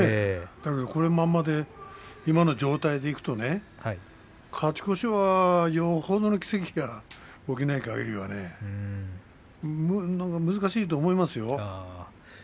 だけど、このままで今の状態でいくとね勝ち越しはよほどの奇跡が起きないかぎりは難しいと思いますよ。